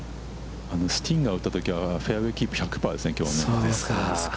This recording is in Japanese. スティンガーを打ったときはフェアウェイキープ１００％ですね。